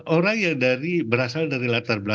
minta saran kan orang yang berasal dari latar belakang berbeda